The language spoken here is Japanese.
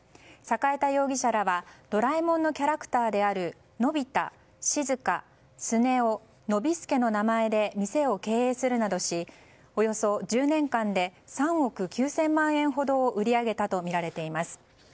栄田容疑者らは「ドラえもん」のキャラクターであるのびた、しずか、すねおのびすけの名前で店を経営するなどしおよそ１０年間で３億９０００万円ほど売り上げたとみられています。